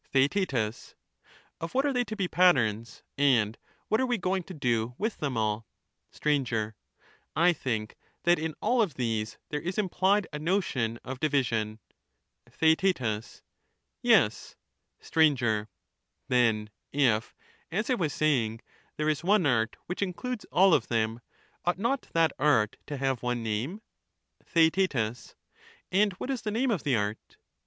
TheaeU Of what are they to be patterns, and what are we going to do with them all ? Str, I think that in all of these there is implied a notion of These af division. ^T'^^Jtr pies of the TheaeU Yes. great art of Str. Then if, as I was saying, there is one art which in discerning, eludes all of them, ought not that art to have one name ? TheaeU And what is the name of the art